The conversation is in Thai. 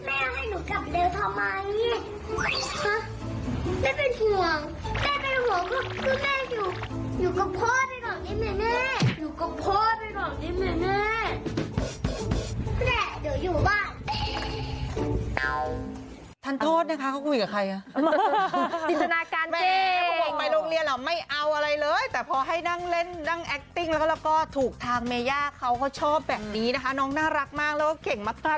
อันนี้จำบทไว้นะช่วงนี้เดี๋ยวว่าไปน้องมัยย่าเขาเป็นดารานะ